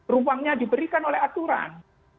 ruangnya diberikan oleh aturan